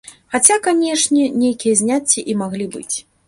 Хаця, канечне, нейкія зняцці і маглі быць.